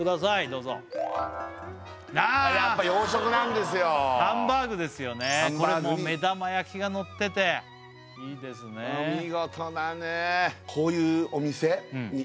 どうぞやっぱ洋食なんですよハンバーグですよねこれも目玉焼きがのってていいですねあの見事なねね子どものころ